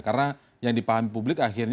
karena yang dipahami publik akan terbuka